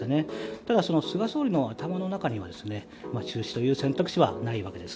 ただ、菅総理の頭の中には中止という選択肢はないわけです。